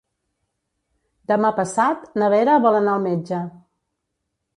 Demà passat na Vera vol anar al metge.